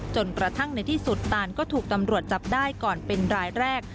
กระทั่งในที่สุดตานก็ถูกตำรวจจับได้ก่อนเป็นรายแรก